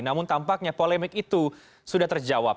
namun tampaknya polemik itu sudah terjawab